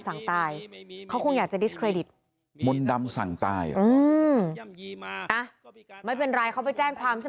สั่งตายเขาคงอยากจะดิสเครดิตมนต์ดำสั่งตายอ่ะอืมอ่ะไม่เป็นไรเขาไปแจ้งความใช่ไหม